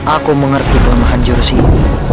aku mengerti kelemahan jurus ini